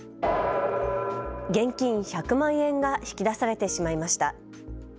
現金１００万円が引き出されてしまいました。